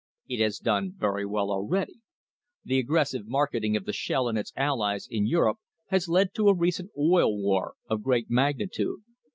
It has done very well already. The aggressive market ing of the "Shell" and its allies in Europe has led to a recent Oil War of great magnitude.